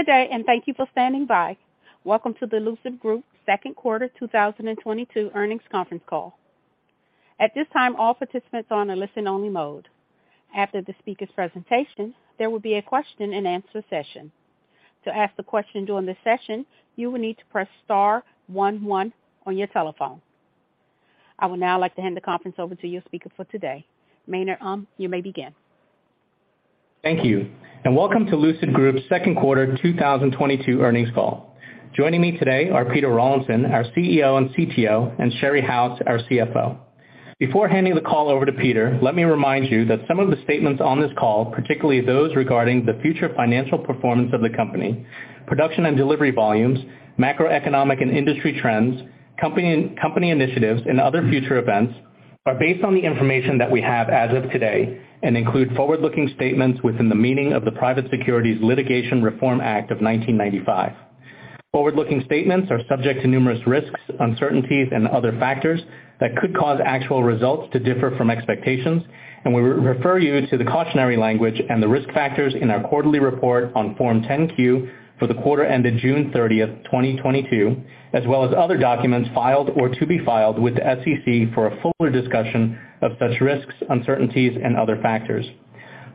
Good day, and thank you for standing by. Welcome to the Lucid Group second quarter 2022 earnings conference call. At this time, all participants are on a listen-only mode. After the speaker's presentation, there will be a question and answer session. To ask the question during the session, you will need to press star one one on your telephone. I would now like to hand the conference over to your speaker for today. Maynard Um, you may begin. Thank you, and welcome to Lucid Group's second quarter 2022 earnings call. Joining me today are Peter Rawlinson, our CEO and CTO, and Sherry House, our CFO. Before handing the call over to Peter, let me remind you that some of the statements on this call, particularly those regarding the future financial performance of the company, production and delivery volumes, macroeconomic and industry trends, company initiatives, and other future events, are based on the information that we have as of today and include forward-looking statements within the meaning of the Private Securities Litigation Reform Act of 1995. Forward-looking statements are subject to numerous risks, uncertainties and other factors that could cause actual results to differ from expectations, and we refer you to the cautionary language and the risk factors in our quarterly report on Form 10-Q for the quarter ended June 30, 2022, as well as other documents filed or to be filed with the SEC for a fuller discussion of such risks, uncertainties and other factors.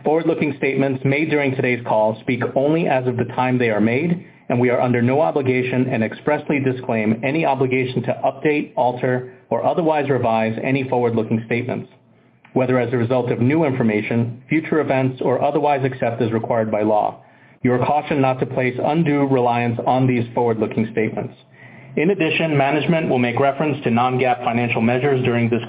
Forward-looking statements made during today's call speak only as of the time they are made, and we are under no obligation and expressly disclaim any obligation to update, alter or otherwise revise any forward-looking statements, whether as a result of new information, future events or otherwise, except as required by law. You are cautioned not to place undue reliance on these forward-looking statements. In addition, management will make reference to non-GAAP financial measures during this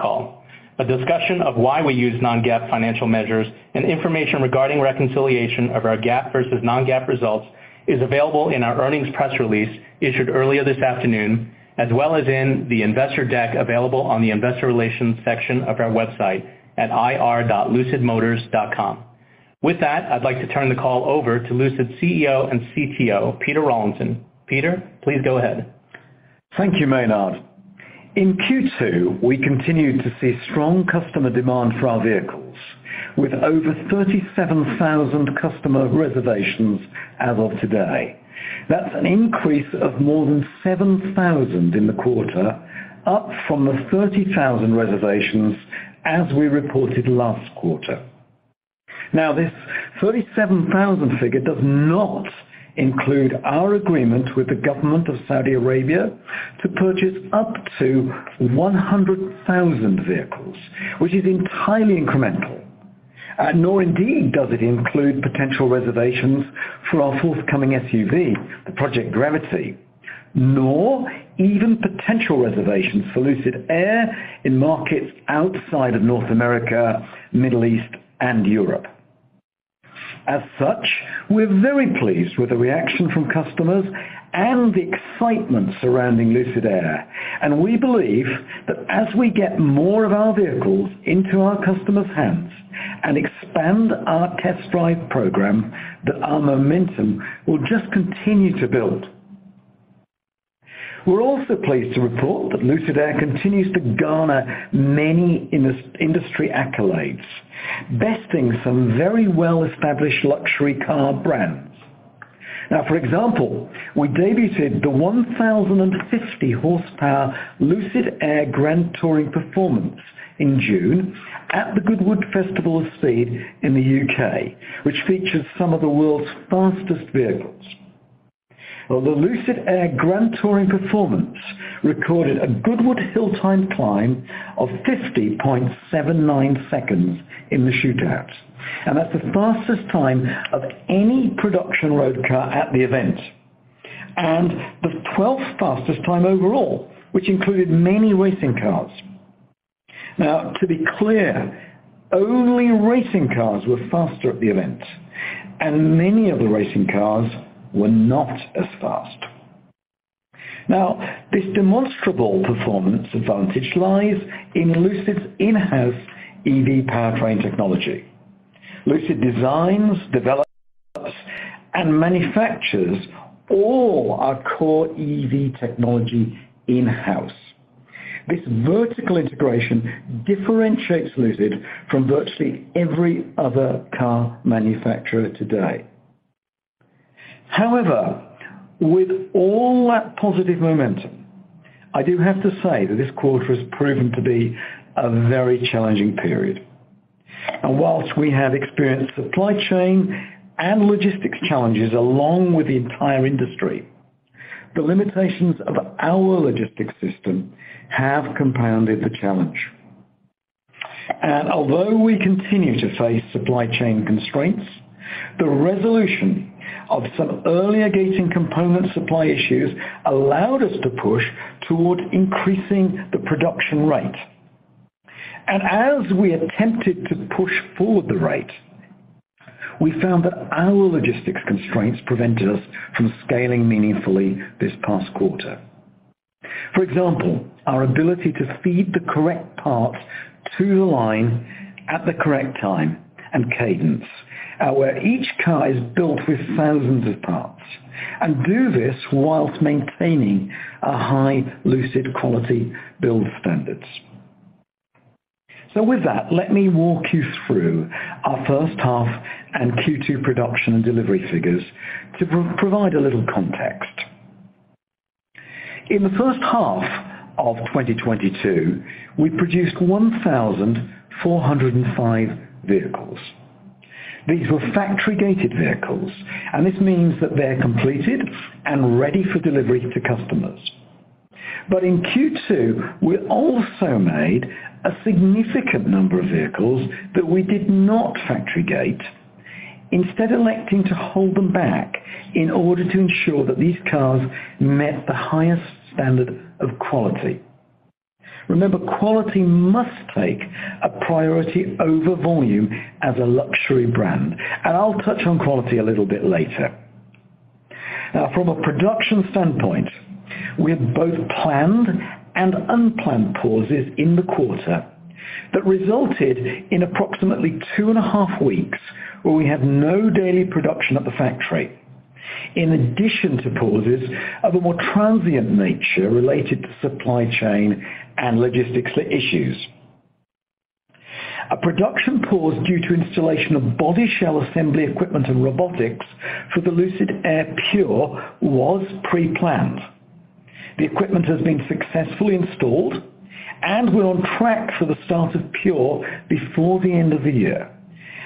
call. A discussion of why we use non-GAAP financial measures and information regarding reconciliation of our GAAP versus non-GAAP results is available in our earnings press release issued earlier this afternoon, as well as in the investor deck available on the investor relations section of our website at ir.lucidmotors.com. With that, I'd like to turn the call over to Lucid CEO and CTO, Peter Rawlinson. Peter, please go ahead. Thank you, Maynard. In Q2, we continued to see strong customer demand for our vehicles with over 37,000 customer reservations as of today. That's an increase of more than 7,000 in the quarter, up from the 30,000 reservations as we reported last quarter. Now, this 37,000 figure does not include our agreement with the government of Saudi Arabia to purchase up to 100,000 vehicles, which is entirely incremental. Nor indeed does it include potential reservations for our forthcoming SUV, the Lucid Gravity, nor even potential reservations for Lucid Air in markets outside of North America, Middle East and Europe. As such, we're very pleased with the reaction from customers and the excitement surrounding Lucid Air, and we believe that as we get more of our vehicles into our customers' hands and expand our test drive program, that our momentum will just continue to build. We're also pleased to report that Lucid Air continues to garner many industry accolades, besting some very well-established luxury car brands. Now, for example, we debuted the 1,050-horsepower Lucid Air Grand Touring Performance in June at the Goodwood Festival of Speed in the UK, which features some of the world's fastest vehicles. Well, the Lucid Air Grand Touring Performance recorded a Goodwood hillclimb time of 50.79 seconds in the shootouts, and that's the fastest time of any production road car at the event and the twelfth fastest time overall, which included many racing cars. Now, to be clear, only racing cars were faster at the event, and many of the racing cars were not as fast. Now, this demonstrable performance advantage lies in Lucid's in-house EV powertrain technology. Lucid designs, develops, and manufactures all our core EV technology in-house. This vertical integration differentiates Lucid from virtually every other car manufacturer today. However, with all that positive momentum, I do have to say that this quarter has proven to be a very challenging period. While we have experienced supply chain and logistics challenges along with the entire industry, the limitations of our logistics system have compounded the challenge. Although we continue to face supply chain constraints, the resolution of some earlier gating component supply issues allowed us to push toward increasing the production rate. As we attempted to push forward the rate, we found that our logistics constraints prevented us from scaling meaningfully this past quarter. For example, our ability to feed the correct parts to the line at the correct time and cadence, where each car is built with thousands of parts and do this while maintaining a high Lucid quality build standards. With that, let me walk you through our first half and Q2 production and delivery figures to provide a little context. In the first half of 2022, we produced 1,405 vehicles. These were factory-gated vehicles, and this means that they're completed and ready for delivery to customers. In Q2, we also made a significant number of vehicles that we did not factory gate, instead electing to hold them back in order to ensure that these cars met the highest standard of quality. Remember, quality must take a priority over volume as a luxury brand, and I'll touch on quality a little bit later. Now, from a production standpoint, we had both planned and unplanned pauses in the quarter that resulted in approximately two and a half weeks where we had no daily production at the factory, in addition to pauses of a more transient nature related to supply chain and logistics issues. A production pause due to installation of body shell assembly equipment and robotics for the Lucid Air Pure was preplanned. The equipment has been successfully installed, and we're on track for the start of Pure before the end of the year,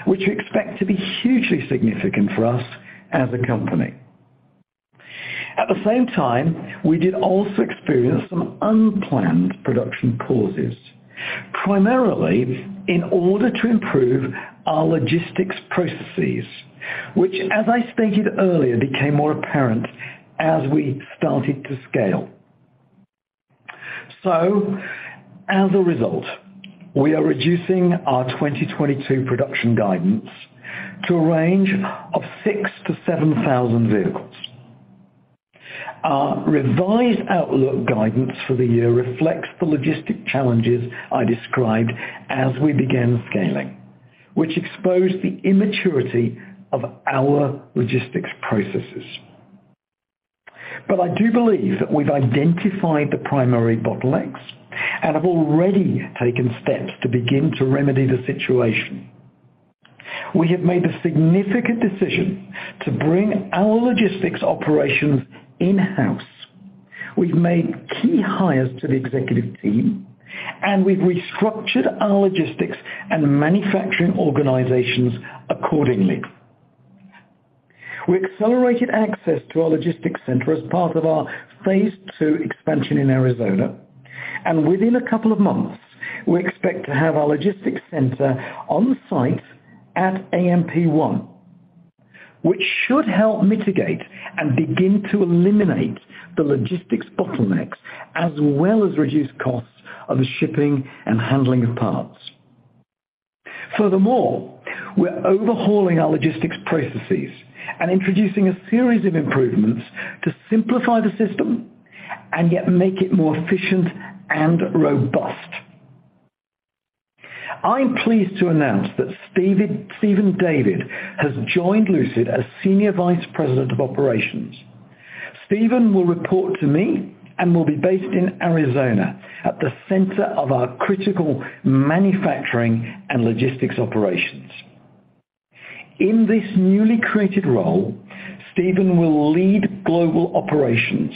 which we expect to be hugely significant for us as a company. At the same time, we did also experience some unplanned production pauses, primarily in order to improve our logistics processes, which, as I stated earlier, became more apparent as we started to scale. As a result, we are reducing our 2022 production guidance to a range of 6,000-7,000 vehicles. Our revised outlook guidance for the year reflects the logistic challenges I described as we began scaling, which exposed the immaturity of our logistics processes. I do believe that we've identified the primary bottlenecks and have already taken steps to begin to remedy the situation. We have made the significant decision to bring our logistics operations in-house. We've made key hires to the executive team, and we've restructured our logistics and manufacturing organizations accordingly. We accelerated access to our logistics center as part of our phase two expansion in Arizona, and within a couple of months, we expect to have our logistics center on-site at AMP-1, which should help mitigate and begin to eliminate the logistics bottlenecks, as well as reduce costs of the shipping and handling of parts. Furthermore, we're overhauling our logistics processes and introducing a series of improvements to simplify the system and yet make it more efficient and robust. I'm pleased to announce that Steven David has joined Lucid as Senior Vice President of Operations. Steven will report to me and will be based in Arizona at the center of our critical manufacturing and logistics operations. In this newly created role, Steven will lead global operations,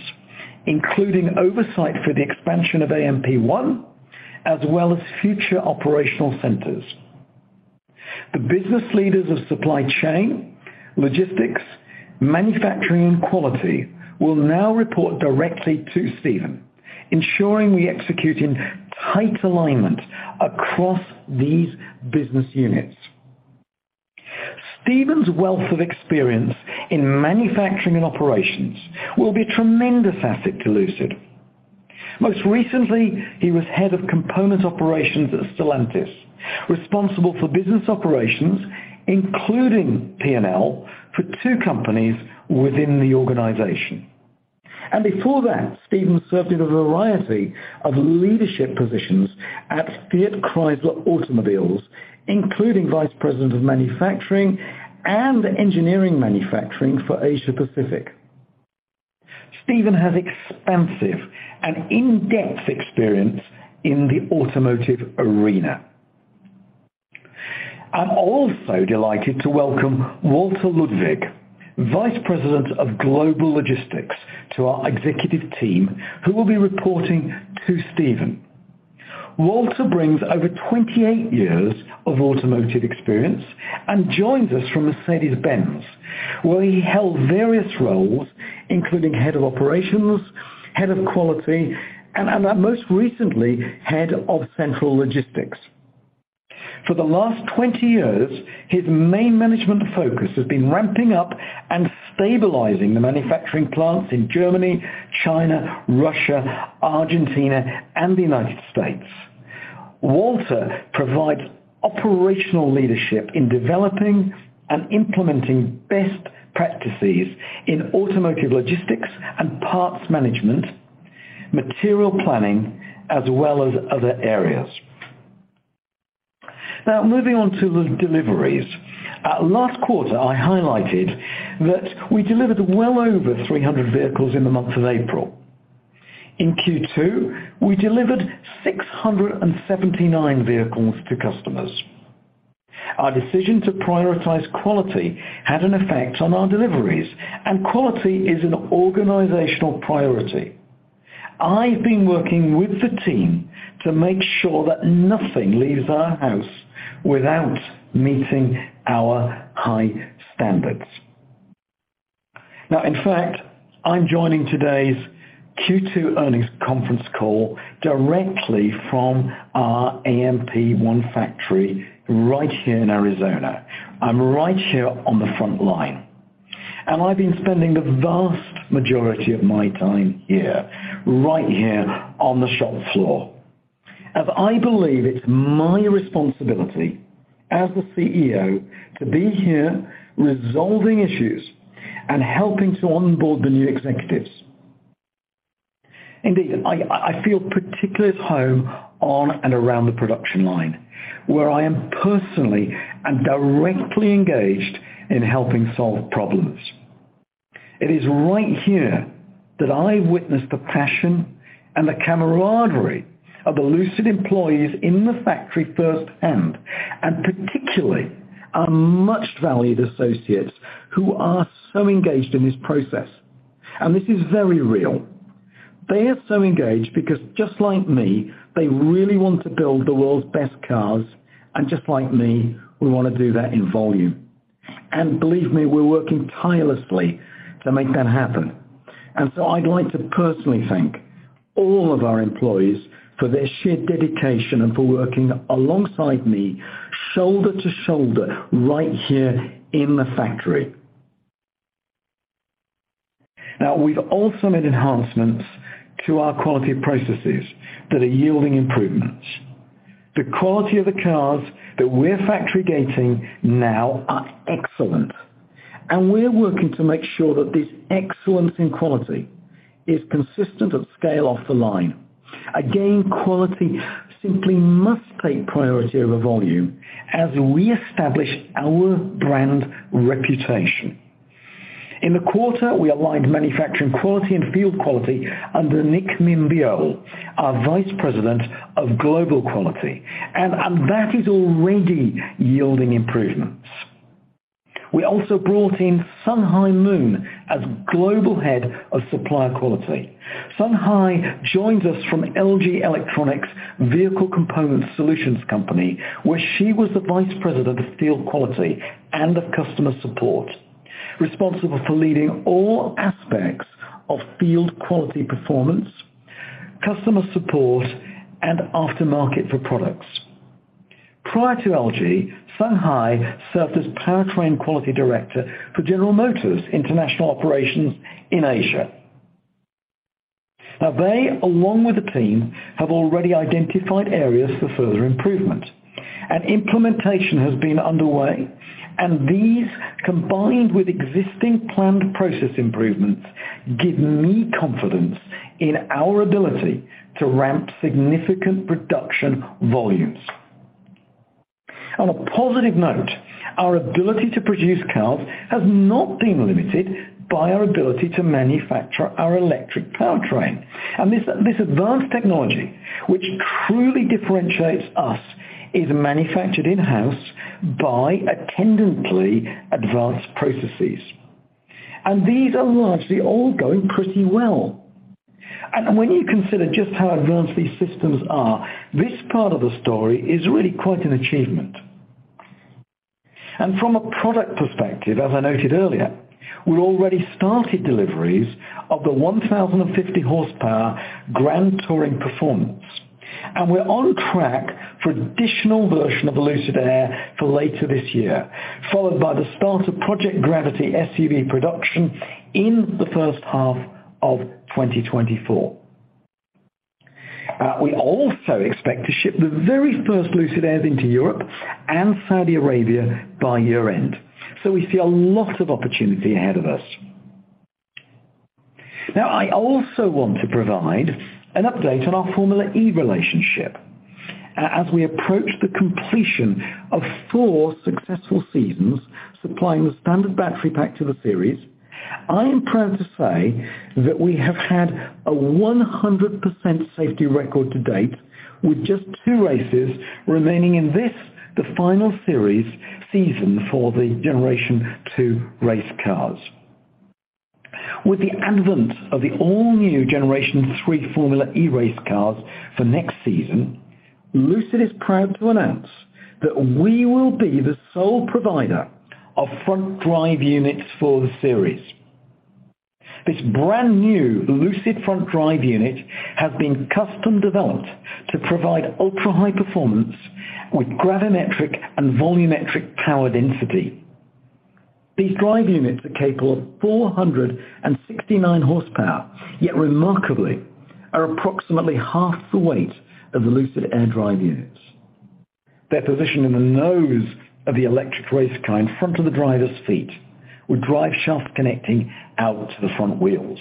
including oversight for the expansion of AMP-1, as well as future operational centers. The business leaders of supply chain, logistics, manufacturing, and quality will now report directly to Steven, ensuring we execute in tight alignment across these business units. Steven's wealth of experience in manufacturing and operations will be a tremendous asset to Lucid. Most recently, he was Head of Component Operations at Stellantis, responsible for business operations, including P&L, for two companies within the organization. Before that, Steven served in a variety of leadership positions at Fiat Chrysler Automobiles, including Vice President of Manufacturing and Engineering Manufacturing for Asia Pacific. Steven has expansive and in-depth experience in the automotive arena. I'm also delighted to welcome Walter Ludwig, Vice President of Global Logistics, to our executive team, who will be reporting to Steven. Walter brings over 28 years of automotive experience and joins us from Mercedes-Benz, where he held various roles, including Head of Operations, Head of Quality, and most recently, Head of Central Logistics. For the last 20 years, his main management focus has been ramping up and stabilizing the manufacturing plants in Germany, China, Russia, Argentina, and the United States. Walter provides operational leadership in developing and implementing best practices in automotive logistics and parts management, material planning, as well as other areas. Now, moving on to the deliveries. Last quarter, I highlighted that we delivered well over 300 vehicles in the month of April. In Q2, we delivered 679 vehicles to customers. Our decision to prioritize quality had an effect on our deliveries, and quality is an organizational priority. I've been working with the team to make sure that nothing leaves our house without meeting our high standards. Now, in fact, I'm joining today's Q2 earnings conference call directly from our AMP-1 factory right here in Arizona. I'm right here on the front line, and I've been spending the vast majority of my time here, right here on the shop floor. I believe it's my responsibility as the CEO to be here resolving issues and helping to onboard the new executives. Indeed, I feel particularly at home on and around the production line, where I am personally and directly engaged in helping solve problems. It is right here that I witness the passion and the camaraderie of the Lucid employees in the factory firsthand, and particularly our much-valued associates who are so engaged in this process, and this is very real. They are so engaged because just like me, they really want to build the world's best cars, and just like me, we wanna do that in volume. Believe me, we're working tirelessly to make that happen. I'd like to personally thank all of our employees for their sheer dedication and for working alongside me shoulder to shoulder right here in the factory. Now, we've also made enhancements to our quality processes that are yielding improvements. The quality of the cars that we're factory gating now are excellent, and we're working to make sure that this excellence in quality is consistent at scale off the line. Again, quality simply must take priority over volume as we establish our brand reputation. In the quarter, we aligned manufacturing quality and field quality under Nick Minbiole, our Vice President of Global Quality, and that is already yielding improvements. We also brought in Sunhae Moon as Global Head of Supplier Quality. Sunhae Moon joins us from LG Electronics Vehicle Component Solutions company, where she was the Vice President of Field Quality and of Customer Support, responsible for leading all aspects of field quality performance, customer support, and aftermarket for products. Prior to LG, Sunhae Moon served as Powertrain Quality Director for General Motors International Operations in Asia. Now they, along with the team, have already identified areas for further improvement, and implementation has been underway, and these, combined with existing planned process improvements, give me confidence in our ability to ramp significant production volumes. On a positive note, our ability to produce cars has not been limited by our ability to manufacture our electric powertrain. This advanced technology, which truly differentiates us, is manufactured in-house by attendantly advanced processes, and these are largely all going pretty well. When you consider just how advanced these systems are, this part of the story is really quite an achievement. From a product perspective, as I noted earlier, we already started deliveries of the 1,050 horsepower Grand Touring Performance, and we're on track for additional version of the Lucid Air for later this year, followed by the start of Lucid Gravity SUV production in the first half of 2024. We also expect to ship the very first Lucid Air into Europe and Saudi Arabia by year-end. We see a lot of opportunity ahead of us. Now, I also want to provide an update on our Formula E relationship. As we approach the completion of four successful seasons supplying the standard battery pack to the series, I am proud to say that we have had a 100% safety record to date with just two races remaining in this, the final series season for the Generation Two race cars. With the advent of the all-new Generation Three Formula E race cars for next season, Lucid is proud to announce that we will be the sole provider of front drive units for the series. This brand-new Lucid front drive unit has been custom developed to provide ultra-high performance with gravimetric and volumetric power density. These drive units are capable of 469 horsepower, yet remarkably, are approximately half the weight of the Lucid Air drive units. They're positioned in the nose of the electric race car in front of the driver's feet, with driveshaft connecting out to the front wheels.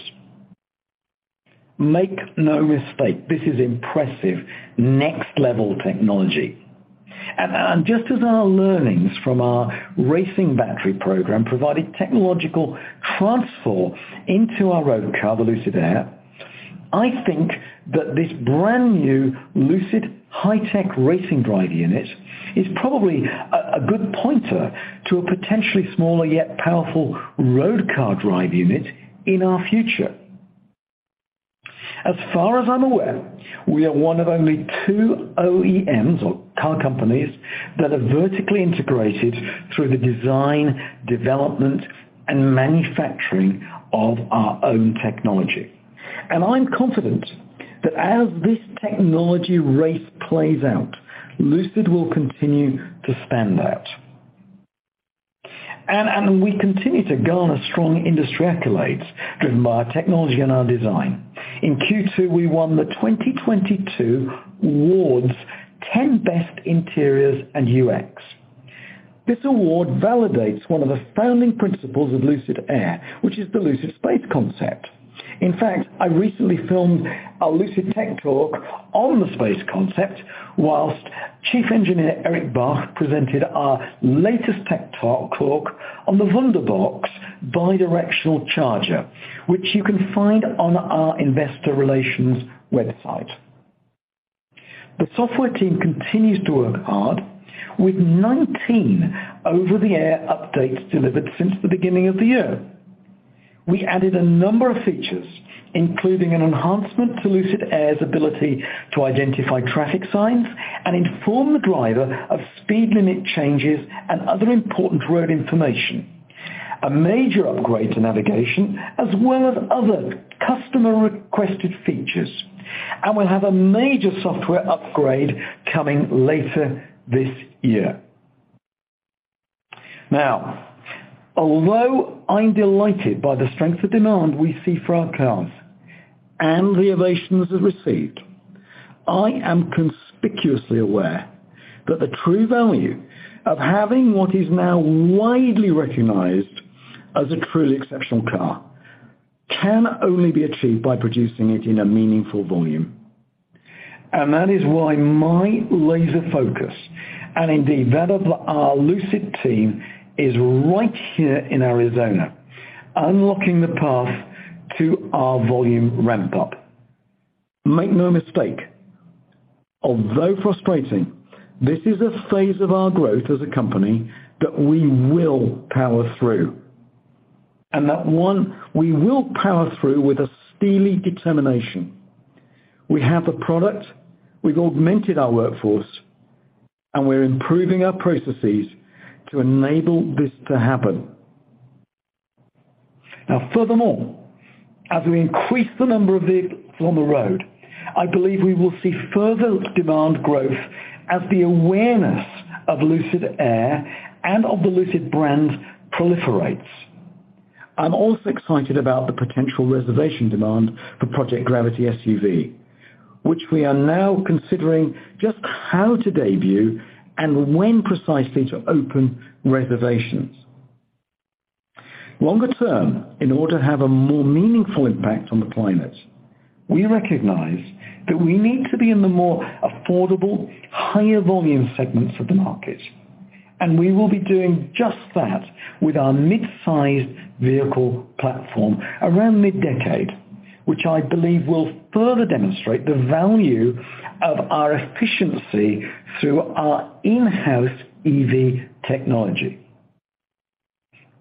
Make no mistake, this is impressive next-level technology. Just as our learnings from our racing battery program provided technological transfer into our road car, the Lucid Air, I think that this brand-new Lucid high-tech racing drive unit is probably a good pointer to a potentially smaller yet powerful road car drive unit in our future. As far as I'm aware, we are one of only two OEMs or car companies that are vertically integrated through the design, development, and manufacturing of our own technology. We continue to garner strong industry accolades driven by our technology and our design. In Q2, we won the 2022 Wards 10 Best Interiors & UX. This award validates one of the founding principles of Lucid Air, which is the Lucid Space Concept. In fact, I recently filmed a Lucid Tech Talk on the Space Concept while Chief Engineer Eric Bach presented our latest tech talk on the Wunderbox bidirectional charger, which you can find on our investor relations website. The software team continues to work hard with 19 over-the-air updates delivered since the beginning of the year. We added a number of features, including an enhancement to Lucid Air's ability to identify traffic signs and inform the driver of speed limit changes and other important road information, a major upgrade to navigation, as well as other customer-requested features. We'll have a major software upgrade coming later this year. Now, although I'm delighted by the strength of demand we see for our cars and the ovations it received, I am conspicuously aware that the true value of having what is now widely recognized as a truly exceptional car can only be achieved by producing it in a meaningful volume. That is why my laser focus, and indeed that of our Lucid team, is right here in Arizona, unlocking the path to our volume ramp-up. Make no mistake, although frustrating, this is a phase of our growth as a company that we will power through. That one, we will power through with a steely determination. We have the product, we've augmented our workforce, and we're improving our processes to enable this to happen. Now furthermore, as we increase the number of vehicles on the road, I believe we will see further demand growth as the awareness of Lucid Air and of the Lucid brand proliferates. I'm also excited about the potential reservation demand for Lucid Gravity SUV, which we are now considering just how to debut and when precisely to open reservations. Longer term, in order to have a more meaningful impact on the planet, we recognize that we need to be in the more affordable, higher-volume segments of the market, and we will be doing just that with our mid-sized vehicle platform around mid-decade, which I believe will further demonstrate the value of our efficiency through our in-house EV technology.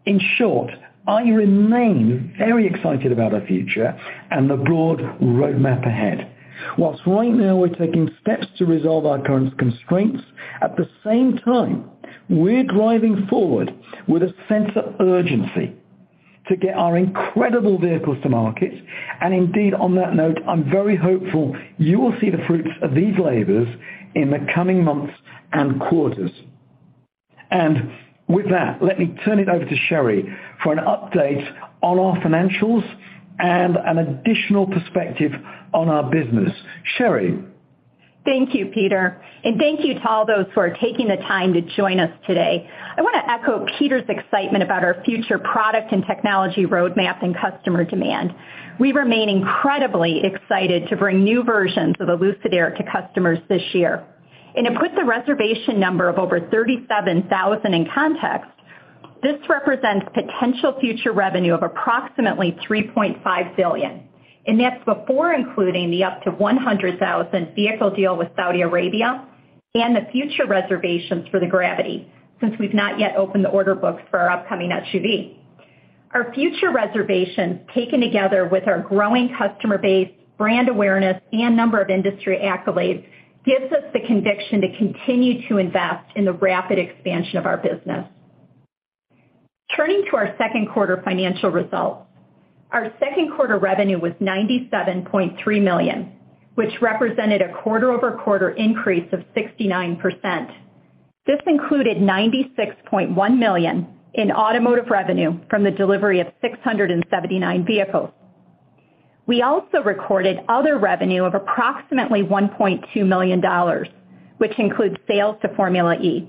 In short, I remain very excited about our future and the broad roadmap ahead. While right now we're taking steps to resolve our current constraints, at the same time, we're driving forward with a sense of urgency to get our incredible vehicles to market. Indeed, on that note, I'm very hopeful you will see the fruits of these labors in the coming months and quarters. With that, let me turn it over to Sherry for an update on our financials and an additional perspective on our business. Sherry? Thank you, Peter, and thank you to all those who are taking the time to join us today. I wanna echo Peter's excitement about our future product and technology roadmap and customer demand. We remain incredibly excited to bring new versions of the Lucid Air to customers this year. To put the reservation number of over 37,000 in context, this represents potential future revenue of approximately $3.5 billion, and that's before including the up to 100,000 vehicle deal with Saudi Arabia and the future reservations for the Gravity, since we've not yet opened the order books for our upcoming SUV. Our future reservations, taken together with our growing customer base, brand awareness, and number of industry accolades, gives us the conviction to continue to invest in the rapid expansion of our business. Turning to our second quarter financial results, our second quarter revenue was $97.3 million, which represented a quarter-over-quarter increase of 69%. This included $96.1 million in automotive revenue from the delivery of 679 vehicles. We also recorded other revenue of approximately $1.2 million, which includes sales to Formula E.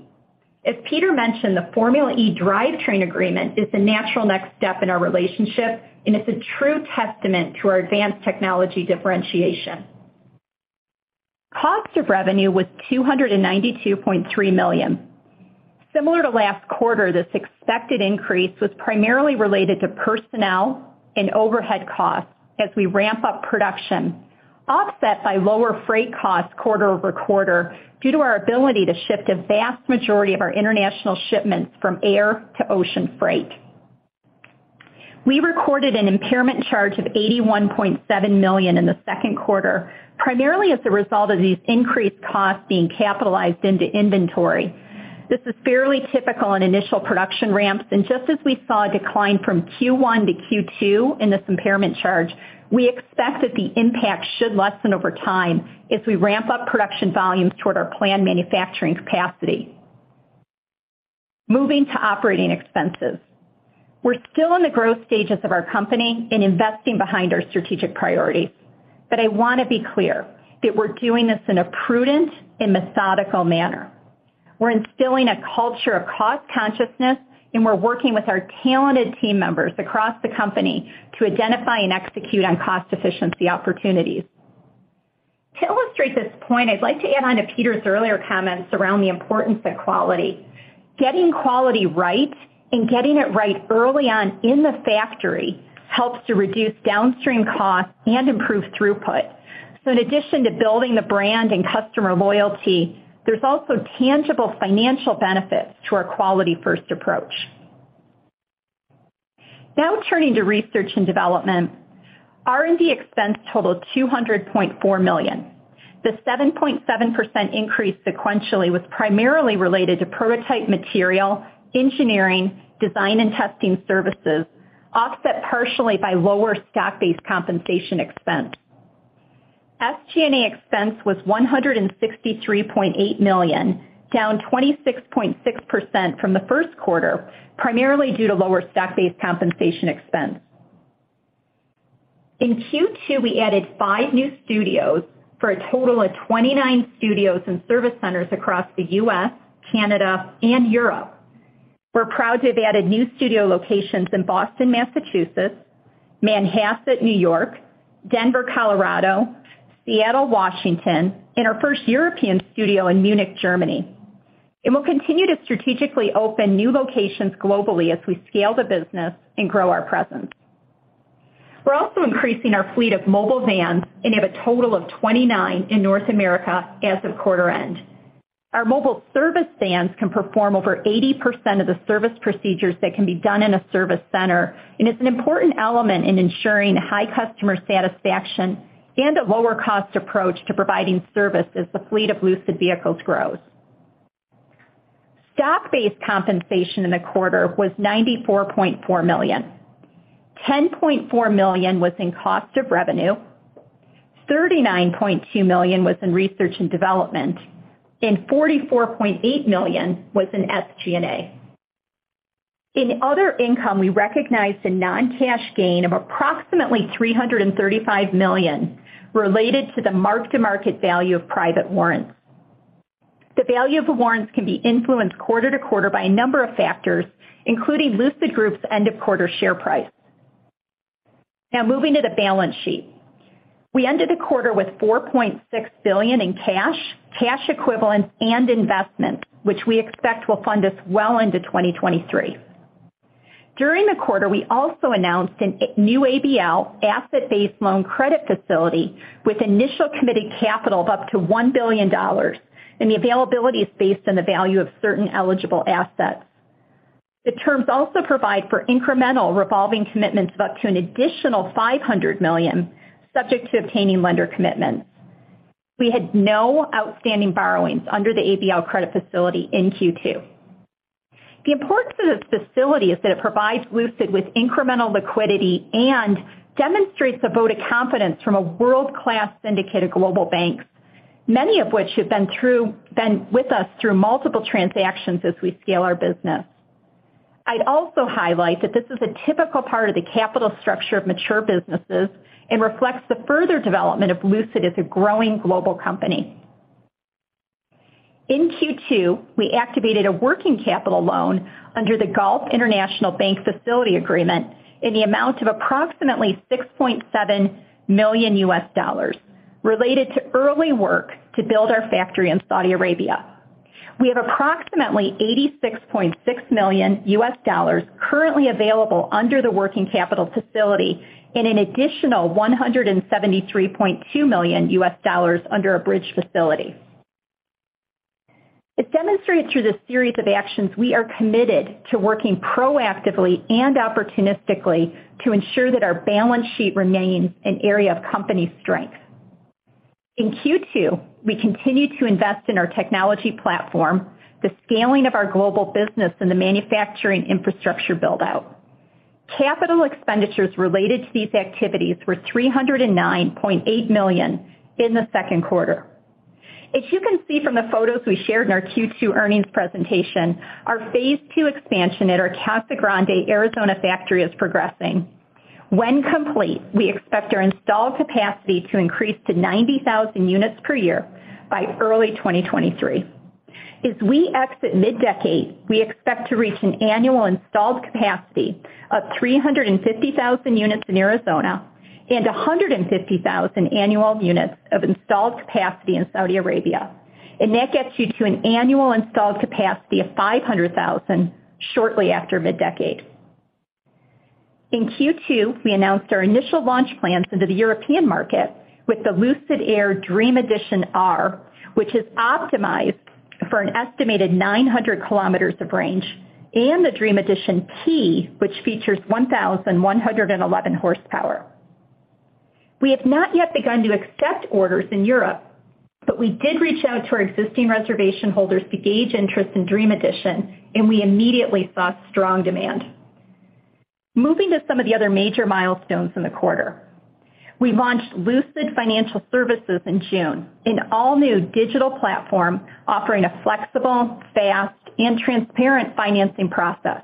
As Peter mentioned, the Formula E drivetrain agreement is the natural next step in our relationship, and it's a true testament to our advanced technology differentiation. Cost of revenue was $292.3 million. Similar to last quarter, this expected increase was primarily related to personnel and overhead costs as we ramp up production, offset by lower freight costs quarter-over-quarter due to our ability to shift a vast majority of our international shipments from air to ocean freight. We recorded an impairment charge of $81.7 million in the second quarter, primarily as a result of these increased costs being capitalized into inventory. This is fairly typical in initial production ramps, and just as we saw a decline from Q1 to Q2 in this impairment charge, we expect that the impact should lessen over time as we ramp up production volumes toward our planned manufacturing capacity. Moving to operating expenses. We're still in the growth stages of our company and investing behind our strategic priorities, but I wanna be clear that we're doing this in a prudent and methodical manner. We're instilling a culture of cost consciousness, and we're working with our talented team members across the company to identify and execute on cost efficiency opportunities. To illustrate this point, I'd like to add on to Peter's earlier comments around the importance of quality. Getting quality right and getting it right early on in the factory helps to reduce downstream costs and improve throughput. In addition to building the brand and customer loyalty, there's also tangible financial benefits to our quality-first approach. Now turning to research and development. R&D expense totaled $200.4 million. The 7.7% increase sequentially was primarily related to prototype material, engineering, design, and testing services, offset partially by lower stock-based compensation expense. SG&A expense was $163.8 million, down 26.6% from the first quarter, primarily due to lower stock-based compensation expense. In Q2, we added five new studios for a total of 29 studios and service centers across the US, Canada, and Europe. We're proud to have added new studio locations in Boston, Massachusetts, Manhasset, New York, Denver, Colorado, Seattle, Washington, and our first European studio in Munich, Germany. We'll continue to strategically open new locations globally as we scale the business and grow our presence. We're also increasing our fleet of mobile vans and have a total of 29 in North America as of quarter end. Our mobile service vans can perform over 80% of the service procedures that can be done in a service center, and it's an important element in ensuring high customer satisfaction and a lower-cost approach to providing service as the fleet of Lucid vehicles grows. Stock-based compensation in the quarter was $94.4 million. $10.4 million was in cost of revenue, $39.2 million was in research and development, and $44.8 million was in SG&A. In other income, we recognized a non-cash gain of approximately $335 million related to the mark-to-market value of private warrants. The value of the warrants can be influenced quarter to quarter by a number of factors, including Lucid Group's end-of-quarter share price. Now moving to the balance sheet. We ended the quarter with $4.6 billion in cash equivalents, and investments, which we expect will fund us well into 2023. During the quarter, we also announced a new ABL asset-based loan credit facility with initial committed capital of up to $1 billion, and the availability is based on the value of certain eligible assets. The terms also provide for incremental revolving commitments of up to an additional $500 million, subject to obtaining lender commitments. We had no outstanding borrowings under the ABL credit facility in Q2. The importance of this facility is that it provides Lucid with incremental liquidity and demonstrates a vote of confidence from a world-class syndicated global banks, many of which have been with us through multiple transactions as we scale our business. I'd also highlight that this is a typical part of the capital structure of mature businesses and reflects the further development of Lucid as a growing global company. In Q2, we activated a working capital loan under the Gulf International Bank Facility Agreement in the amount of approximately $6.7 million related to early work to build our factory in Saudi Arabia. We have approximately $86.6 million currently available under the working capital facility and an additional $173.2 million under a bridge facility. As demonstrated through this series of actions, we are committed to working proactively and opportunistically to ensure that our balance sheet remains an area of company strength. In Q2, we continued to invest in our technology platform, the scaling of our global business, and the manufacturing infrastructure build-out. Capital expenditures related to these activities were $309.8 million in the second quarter. As you can see from the photos we shared in our Q2 earnings presentation, our phase two expansion at our Casa Grande, Arizona factory is progressing. When complete, we expect our installed capacity to increase to 90,000 units per year by early 2023. As we exit mid-decade, we expect to reach an annual installed capacity of 350,000 units in Arizona and 150,000 annual units of installed capacity in Saudi Arabia. That gets you to an annual installed capacity of 500,000 shortly after mid-decade. In Q2, we announced our initial launch plans into the European market with the Lucid Air Dream Edition R, which is optimized for an estimated 900 km of range, and the Dream Edition P, which features 1,111 horsepower. We have not yet begun to accept orders in Europe, but we did reach out to our existing reservation holders to gauge interest in Dream Edition, and we immediately saw strong demand. Moving to some of the other major milestones in the quarter. We launched Lucid Financial Services in June, an all-new digital platform offering a flexible, fast, and transparent financing process.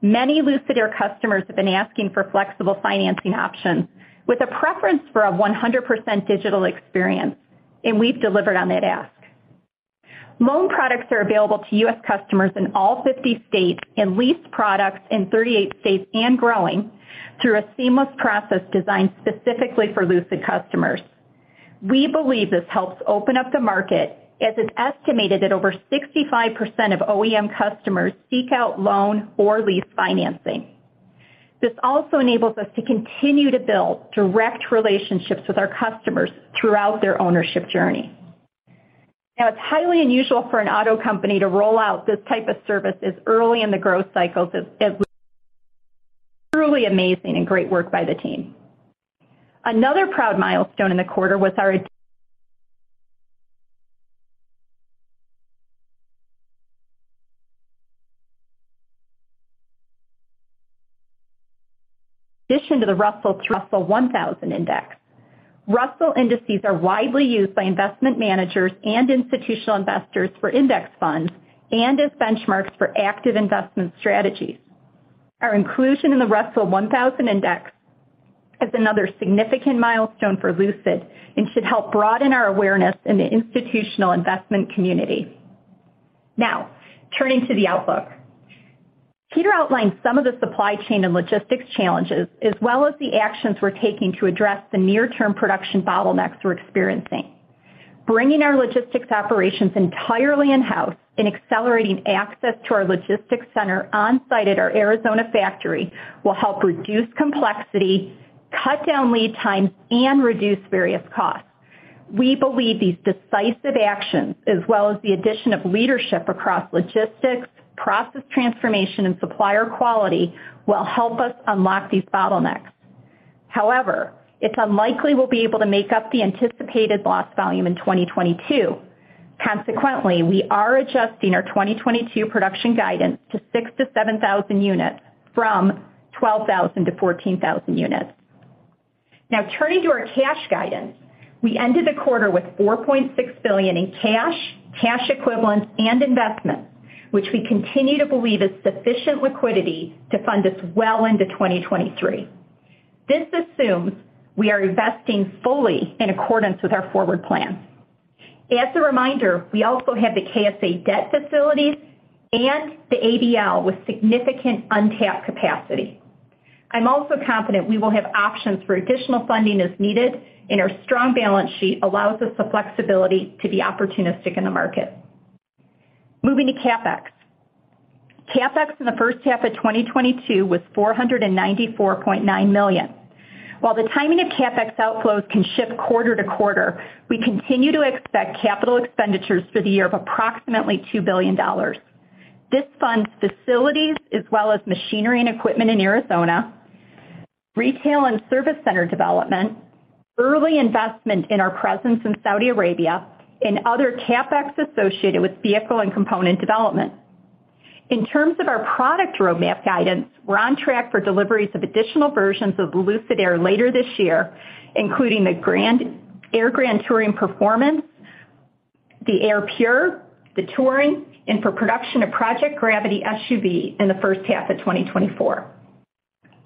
Many Lucid Air customers have been asking for flexible financing options with a preference for a 100% digital experience, and we've delivered on that ask. Loan products are available to US customers in all 50 states and lease products in 38 states and growing through a seamless process designed specifically for Lucid customers. We believe this helps open up the market as it's estimated that over 65% of OEM customers seek out loan or lease financing. This also enables us to continue to build direct relationships with our customers throughout their ownership journey. Now, it's highly unusual for an auto company to roll out this type of service as early in the growth cycle. Truly amazing and great work by the team. Another proud milestone in the quarter was our addition to the Russell 1000 Index. Russell indices are widely used by investment managers and institutional investors for index funds and as benchmarks for active investment strategies. Our inclusion in the Russell 1000 Index is another significant milestone for Lucid and should help broaden our awareness in the institutional investment community. Now, turning to the outlook. Peter outlined some of the supply chain and logistics challenges, as well as the actions we're taking to address the near-term production bottlenecks we're experiencing. Bringing our logistics operations entirely in-house and accelerating access to our logistics center on-site at our Arizona factory will help reduce complexity, cut down lead times, and reduce various costs. We believe these decisive actions, as well as the addition of leadership across logistics, process transformation, and supplier quality, will help us unlock these bottlenecks. However, it's unlikely we'll be able to make up the anticipated lost volume in 2022. Consequently, we are adjusting our 2022 production guidance to 6,000-7,000 units from 12,000-14,000 units. Now, turning to our cash guidance. We ended the quarter with $4.6 billion in cash equivalents, and investments, which we continue to believe is sufficient liquidity to fund us well into 2023. This assumes we are investing fully in accordance with our forward plan. As a reminder, we also have the KSA debt facilities and the ABL with significant untapped capacity. I'm also confident we will have options for additional funding as needed, and our strong balance sheet allows us the flexibility to be opportunistic in the market. Moving to CapEx. CapEx in the first half of 2022 was $494.9 million. While the timing of CapEx outflows can shift quarter to quarter, we continue to expect capital expenditures for the year of approximately $2 billion. This funds facilities as well as machinery and equipment in Arizona, retail and service center development, early investment in our presence in Saudi Arabia, and other CapEx associated with vehicle and component development. In terms of our product roadmap guidance, we're on track for deliveries of additional versions of Lucid Air later this year, including the Lucid Air Grand Touring Performance, the Lucid Air Pure, the Lucid Air Touring, and for production of Lucid Gravity SUV in the first half of 2024.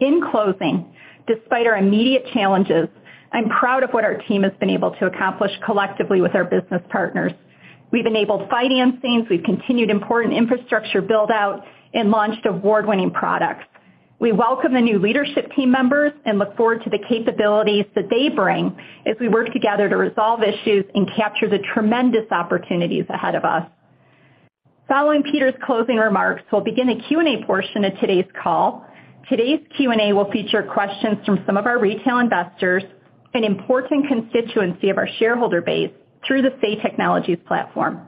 In closing, despite our immediate challenges, I'm proud of what our team has been able to accomplish collectively with our business partners. We've enabled financings, we've continued important infrastructure build-out, and launched award-winning products. We welcome the new leadership team members and look forward to the capabilities that they bring as we work together to resolve issues and capture the tremendous opportunities ahead of us. Following Peter's closing remarks, we'll begin the Q&A portion of today's call. Today's Q&A will feature questions from some of our retail investors, an important constituency of our shareholder base, through the Say Technologies platform.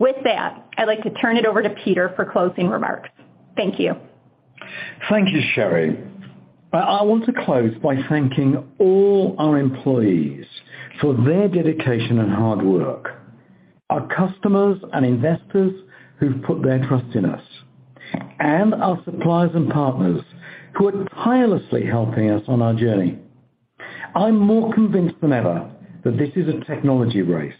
With that, I'd like to turn it over to Peter for closing remarks. Thank you. Thank you, Sherry. I want to close by thanking all our employees for their dedication and hard work, our customers and investors who've put their trust in us, and our suppliers and partners who are tirelessly helping us on our journey. I'm more convinced than ever that this is a technology race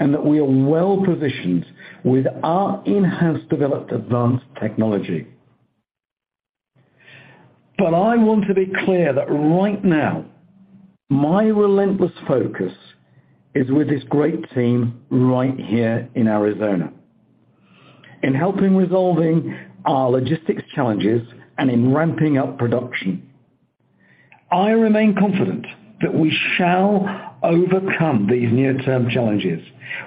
and that we are well-positioned with our in-house developed advanced technology. I want to be clear that right now, my relentless focus is with this great team right here in Arizona in helping resolving our logistics challenges and in ramping up production. I remain confident that we shall overcome these near-term challenges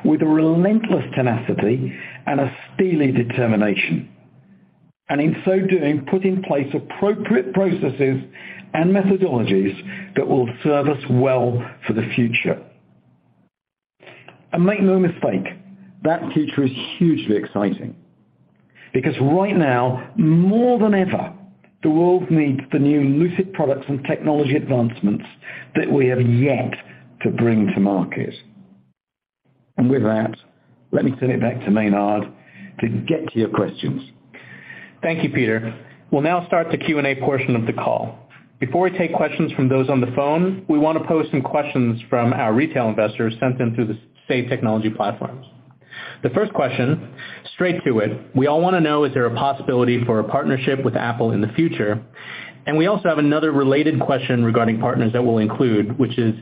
with a relentless tenacity and a steely determination, and in so doing, put in place appropriate processes and methodologies that will serve us well for the future. Make no mistake, that future is hugely exciting because right now, more than ever, the world needs the new Lucid products and technology advancements that we have yet to bring to market. With that, let me turn it back to Maynard to get to your questions. Thank you, Peter. We'll now start the Q&A portion of the call. Before we take questions from those on the phone, we wanna pose some questions from our retail investors sent in through Say Technologies. The first question, straight to it, we all wanna know, is there a possibility for a partnership with Apple in the future? We also have another related question regarding partners that we'll include, which is,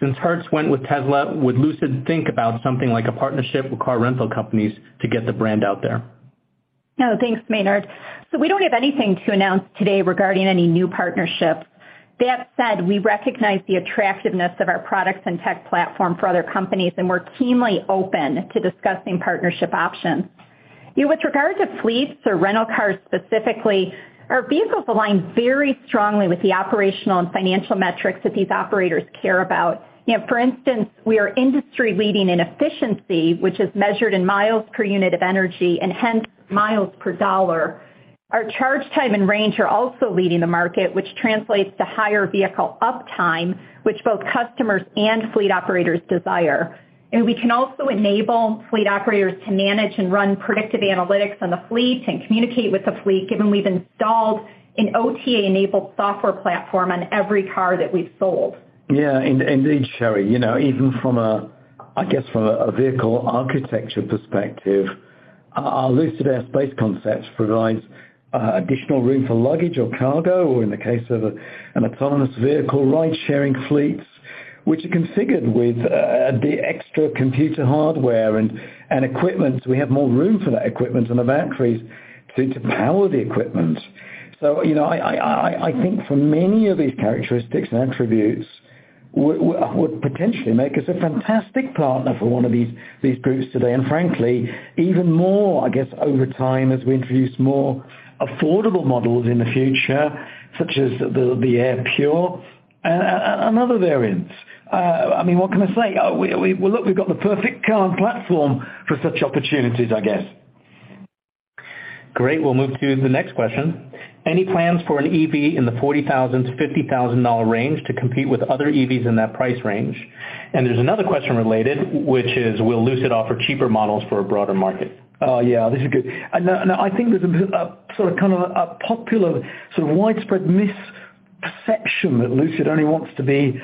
since Hertz went with Tesla, would Lucid think about something like a partnership with car rental companies to get the brand out there? No, thanks, Maynard. We don't have anything to announce today regarding any new partnership. That said, we recognize the attractiveness of our products and tech platform for other companies, and we're keenly open to discussing partnership options. With regards to fleets or rental cars specifically, our vehicles align very strongly with the operational and financial metrics that these operators care about. You know, for instance, we are industry-leading in efficiency, which is measured in miles per unit of energy and hence miles per dollar. Our charge time and range are also leading the market, which translates to higher vehicle uptime, which both customers and fleet operators desire. We can also enable fleet operators to manage and run predictive analytics on the fleet and communicate with the fleet, given we've installed an OTA-enabled software platform on every car that we've sold. Yeah, indeed, Sherry. You know, even from a vehicle architecture perspective, our Lucid Space Concept provides additional room for luggage or cargo or in the case of an autonomous vehicle, ride-sharing fleets, which are configured with the extra computer hardware and equipment. We have more room for that equipment and the batteries to power the equipment. You know, I think for many of these characteristics and attributes would potentially make us a fantastic partner for one of these groups today. Frankly, even more, I guess, over time as we introduce more affordable models in the future, such as the Lucid Air Pure and other variants. I mean, what can I say? Look, we've got the perfect car and platform for such opportunities, I guess. Great. We'll move to the next question. Any plans for an EV in the $40,000-$50,000 range to compete with other EVs in that price range? There's another question related, which is, will Lucid offer cheaper models for a broader market? Oh, yeah, this is good. I think there's a sort of kind of a popular sort of widespread misperception that Lucid only wants to be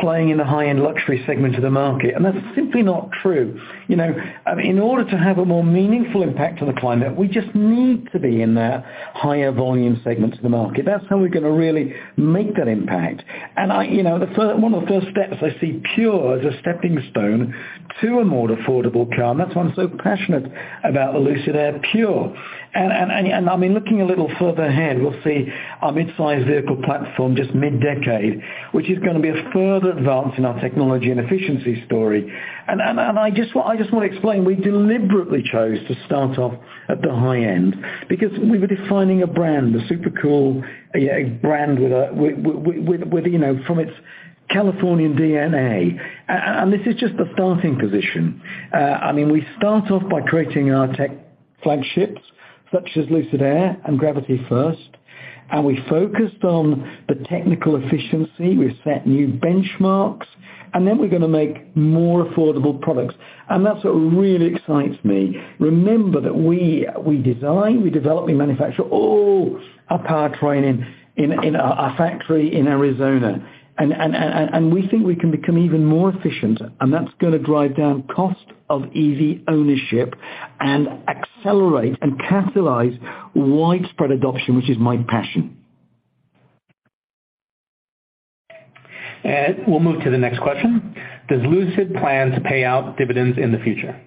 playing in the high-end luxury segment of the market, and that's simply not true. You know, in order to have a more meaningful impact on the climate, we just need to be in the higher volume segments of the market. That's how we're gonna really make that impact. I you know one of the first steps I see Pure as a stepping stone to a more affordable car, and that's why I'm so passionate about the Lucid Air Pure. I mean, looking a little further ahead, we'll see a mid-size vehicle platform just mid-decade, which is gonna be a further advance in our technology and efficiency story. I just wanna explain, we deliberately chose to start off at the high end because we were defining a brand, a super cool brand with, you know, from its Californian DNA. This is just the starting position. I mean, we start off by creating our tech flagships such as Lucid Air and Lucid Gravity, and we focused on the technical efficiency. We've set new benchmarks, and then we're gonna make more affordable products. That's what really excites me. Remember that we design, we develop, we manufacture all our powertrain in our factory in Arizona. We think we can become even more efficient, and that's gonna drive down cost of EV ownership and accelerate and catalyze widespread adoption, which is my passion. We'll move to the next question. Does Lucid plan to pay out dividends in the future?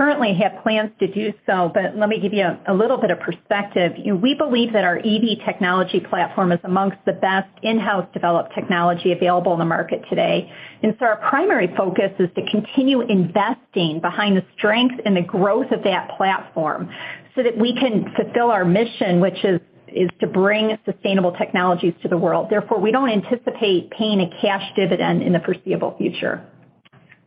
We don't currently have plans to do so, but let me give you a little bit of perspective. We believe that our EV technology platform is among the best in-house developed technology available in the market today. Our primary focus is to continue investing behind the strength and the growth of that platform so that we can fulfill our mission, which is to bring sustainable technologies to the world. Therefore, we don't anticipate paying a cash dividend in the foreseeable future.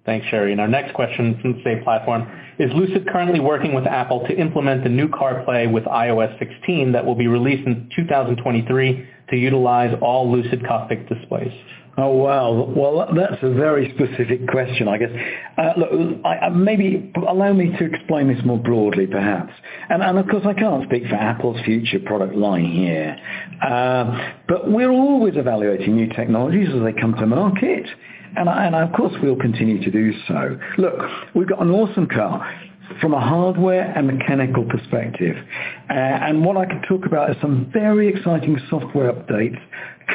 Thanks, Sherry. Our next question from the same platform: Is Lucid currently working with Apple to implement the new CarPlay with iOS 16 that will be released in 2023 to utilize all Lucid cockpit displays? Oh, wow. Well, that's a very specific question, I guess. Look, maybe allow me to explain this more broadly, perhaps. Of course, I can't speak for Apple's future product line here. But we're always evaluating new technologies as they come to market. I, of course, will continue to do so. Look, we've got an awesome car from a hardware and mechanical perspective. What I can talk about is some very exciting software updates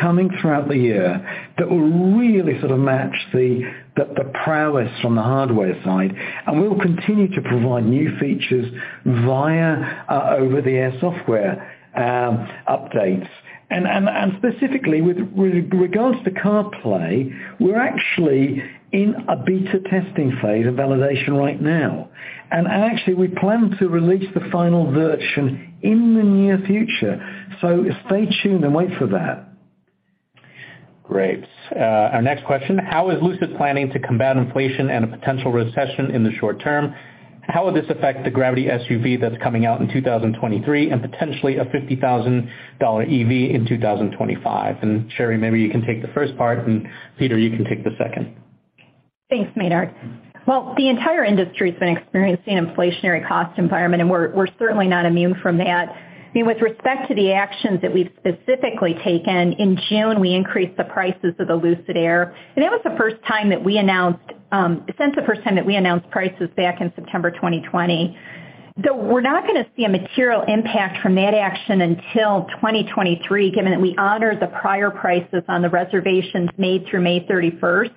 coming throughout the year that will really sort of match the prowess from the hardware side, and we will continue to provide new features via over-the-air software updates. Specifically with regards to CarPlay, we're actually in a beta testing phase of validation right now. Actually, we plan to release the final version in the near future. Stay tuned and wait for that. Great. Our next question, how is Lucid planning to combat inflation and a potential recession in the short term? How would this affect the Lucid Gravity SUV that's coming out in 2023, and potentially a $50,000 EV in 2025? Sherry, maybe you can take the first part, and Peter, you can take the second. Thanks, Maynard. Well, the entire industry's been experiencing inflationary cost environment, and we're certainly not immune from that. I mean, with respect to the actions that we've specifically taken, in June, we increased the prices of the Lucid Air, and that was the first time that we announced since the first time that we announced prices back in September 2020. Though we're not gonna see a material impact from that action until 2023, given that we honor the prior prices on the reservations made through May 31st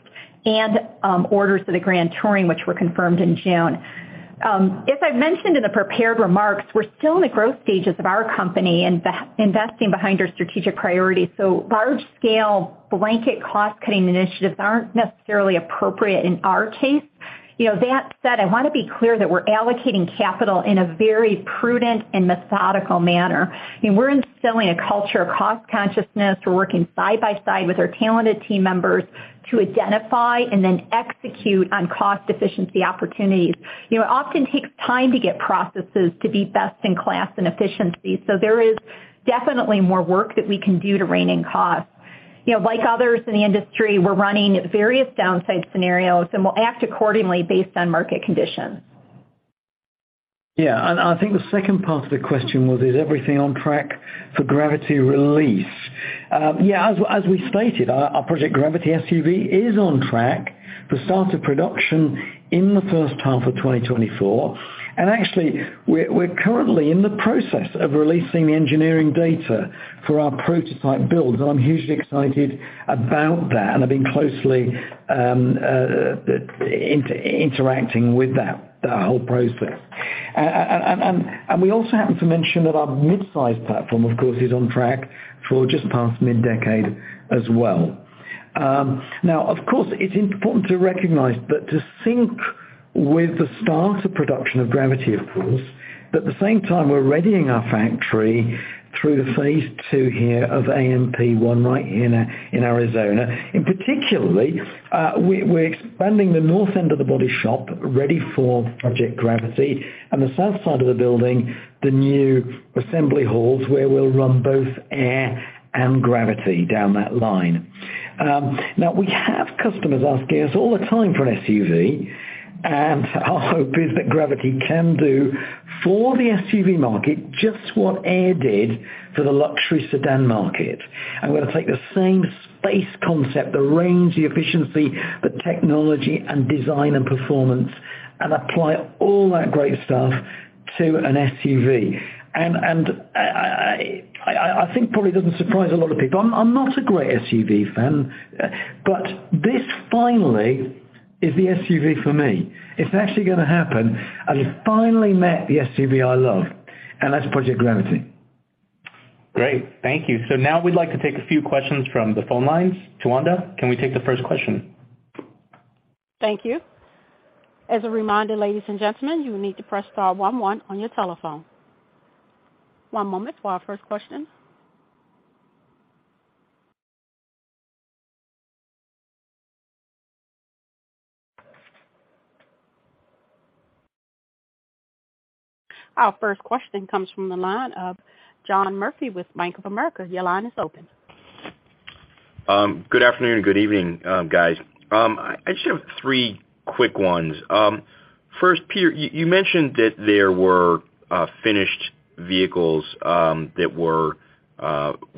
and orders for the Grand Touring, which were confirmed in June. As I've mentioned in the prepared remarks, we're still in the growth stages of our company, investing behind our strategic priorities, so large scale blanket cost-cutting initiatives aren't necessarily appropriate in our case. You know, that said, I wanna be clear that we're allocating capital in a very prudent and methodical manner, and we're instilling a culture of cost consciousness. We're working side by side with our talented team members to identify and then execute on cost efficiency opportunities. You know, it often takes time to get processes to be best in class and efficiency, so there is definitely more work that we can do to rein in costs. You know, like others in the industry, we're running various downside scenarios, and we'll act accordingly based on market conditions. Yeah. I think the second part of the question was, is everything on track for Gravity release? Yeah, as we stated, our Project Gravity SUV is on track for start of production in the first half of 2024. Actually we're currently in the process of releasing engineering data for our prototype builds, and I'm hugely excited about that. I've been closely interacting with that whole process. We also happen to mention that our mid-size platform, of course, is on track for just past mid-decade as well. Now of course, it's important to recognize that to sync with the start of production of Gravity, of course, but at the same time, we're readying our factory through the phase two here of AMP One right here in Arizona. In particular, we're expanding the north end of the body shop ready for Project Gravity, and the south side of the building, the new assembly halls, where we'll run both Air and Gravity down that line. Now we have customers asking us all the time for an SUV, and our hope is that Gravity can do for the SUV market just what Air did for the luxury sedan market. We're gonna take the same space concept, the range, the efficiency, the technology, and design, and performance, and apply all that great stuff to an SUV. I think probably doesn't surprise a lot of people. I'm not a great SUV fan, but this finally is the SUV for me. It's actually gonna happen, and I finally met the SUV I love, and that's Project Gravity. Great. Thank you. Now we'd like to take a few questions from the phone lines. Tawanda, can we take the first question? Thank you. As a reminder, ladies and gentlemen, you will need to press star one one on your telephone. One moment for our first question. Our first question comes from the line of John Murphy with Bank of America. Your line is open. Good afternoon and good evening, guys. I just have three quick ones. First, Peter, you mentioned that there were finished vehicles that were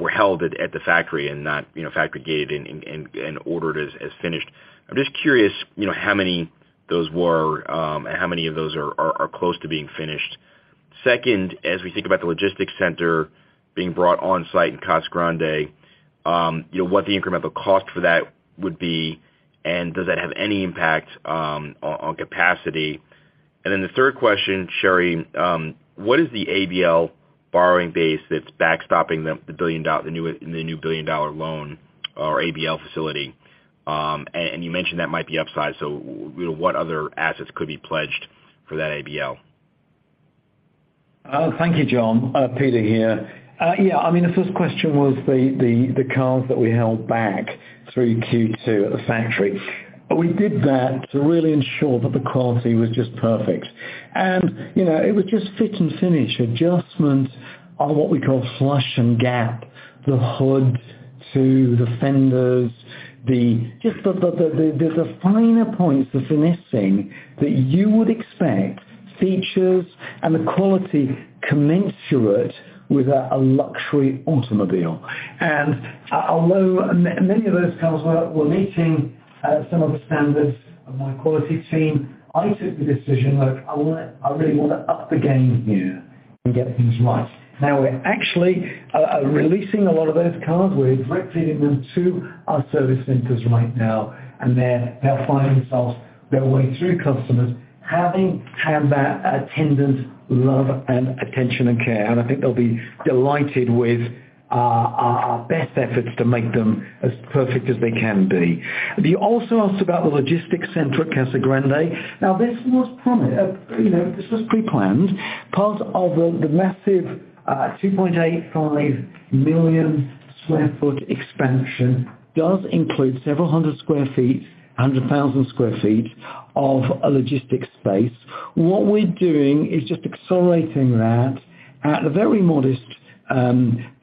held at the factory and not, you know, factory gated and ordered as finished. I'm just curious, you know, how many those were, how many of those are close to being finished. Second, as we think about the logistics center being brought on site in Casa Grande, you know, what the incremental cost for that would be, and does that have any impact on capacity? The third question, Sherry, what is the ABL borrowing base that's backstopping the $1 billion, the new $1 billion loan or ABL facility? You mentioned that might be upside, so, you know, what other assets could be pledged for that ABL? Thank you, John. Peter here. Yeah, I mean the first question was the cars that we held back through Q2 at the factory. We did that to really ensure that the quality was just perfect. You know, it was just fit and finish, adjustments on what we call flush and gap, the hood to the fenders. Just the finer points, the finessing that you would expect features and the quality commensurate with a luxury automobile. Although many of those cars were meeting some of the standards of my quality team, I took the decision like I really wanna up the game here and get things right. Now we're actually releasing a lot of those cars. We're directing them to our service centers right now, and they're finding their way through customers, having had that attendant love and attention and care. I think they'll be delighted with our best efforts to make them as perfect as they can be. You also asked about the logistics center at Casa Grande. Now, this was pre-planned. Part of the massive 2.85 million sq ft expansion does include several hundred thousand sq ft of a logistics space. What we're doing is just accelerating that at a very modest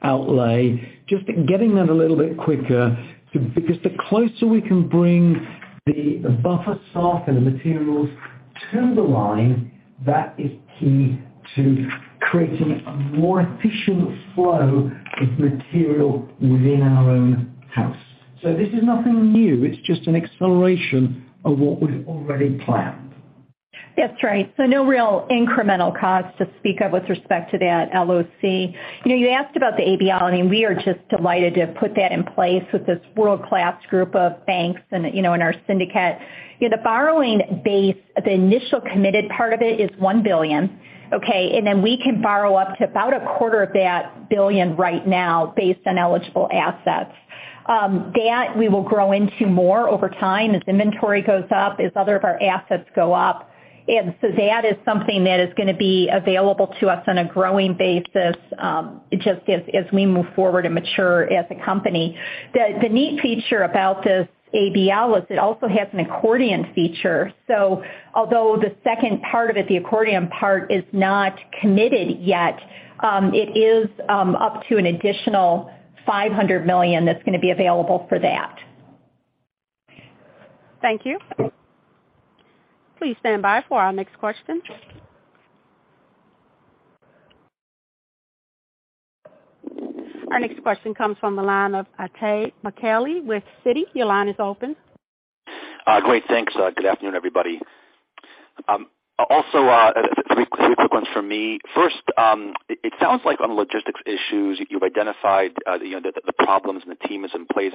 outlay, just getting that a little bit quicker because the closer we can bring the buffer stock and the materials to the line, that is key to creating a more efficient flow of material within our own house. This is nothing new. It's just an acceleration of what we've already planned. That's right. No real incremental cost to speak of with respect to that LOC. You know, you asked about the ABL, and we are just delighted to have put that in place with this world-class group of banks and, you know, in our syndicate. You know, the borrowing base, the initial committed part of it is $1 billion, okay? Then we can borrow up to about a quarter of that billion right now based on eligible assets. That we will grow into more over time as inventory goes up, as other of our assets go up. That is something that is gonna be available to us on a growing basis, just as we move forward and mature as a company. The neat feature about this ABL is it also has an accordion feature. Although the second part of it, the accordion part, is not committed yet, it is up to an additional $500 million that's gonna be available for that. Thank you. Please stand by for our next question. Our next question comes from the line of Itay Michaeli with Citi. Your line is open. Great. Thanks. Good afternoon, everybody. Also, three quick ones from me. First, it sounds like on logistics issues, you've identified, you know, the problems and the team is in place.